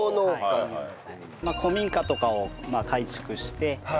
古民家とかを改築して。